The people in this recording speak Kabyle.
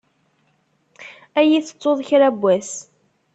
Ad iyi-tettuḍ kra n wass.